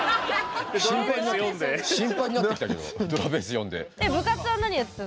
心配になってきたけど「ドラベース」読んで。